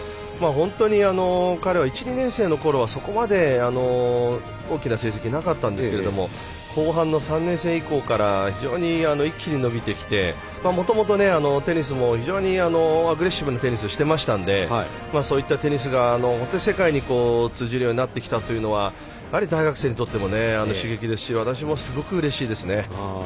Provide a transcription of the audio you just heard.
本当に彼は１、２年生の時はそこまで大きな成績はなかったんですけれども後半の３年生以降から一気に伸びてきてもともとテニスも非常にアグレッシブなテニスをしていましたのでそういったテニスが、世界に通じるようになってきたのは大学生にとっても刺激ですし私もすごくうれしいですね。